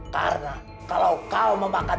karena kalau kau memakan